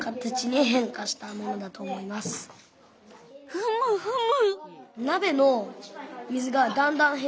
ふむふむ。